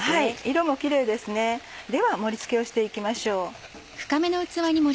色もキレイですねでは盛り付けをして行きましょう。